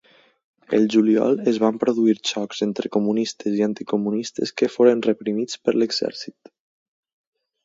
El juliol es van produir xocs entre comunistes i anticomunistes que foren reprimits per l'exèrcit.